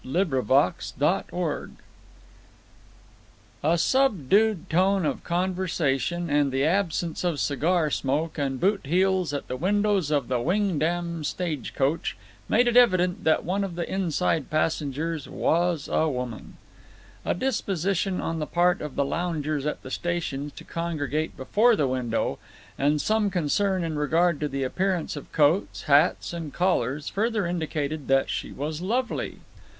BROWN OF CALAVERAS A subdued tone of conversation, and the absence of cigar smoke and boot heels at the windows of the Wingdam stagecoach, made it evident that one of the inside passengers was a woman. A disposition on the part of loungers at the stations to congregate before the window, and some concern in regard to the appearance of coats, hats, and collars, further indicated that she was lovely.